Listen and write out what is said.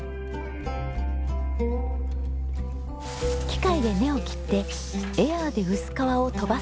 機械で根を切ってエアーで薄皮を飛ばせば。